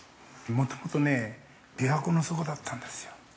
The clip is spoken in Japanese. ◆もともとね、琵琶湖の底だったんですよ。